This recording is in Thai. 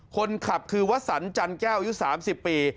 คนขับคือศรรย์จันทร์แก้วยุค๓๐ปี